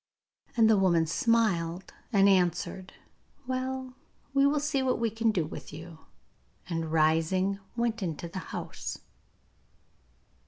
And the woman smiled and answered, 'Well, we will see what we can do with you,' and, rising, went into the house.